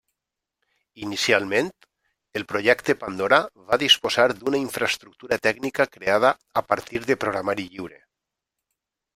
Inicialment, el projecte Pandora va disposar d'una infraestructura tècnica creada a partir de programari lliure.